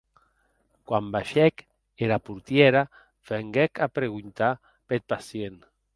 Quan baishèc, era portièra venguec a preguntar peth pacient.